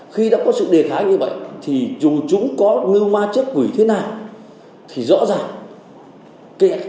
khi đã có sự đề kháng như vậy thì dù chúng có ngư ma chết quỷ thế nào thì rõ ràng